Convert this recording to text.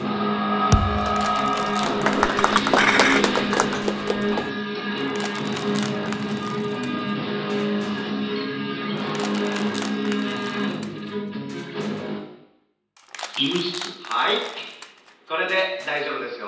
ニトリはいこれで大丈夫ですよ。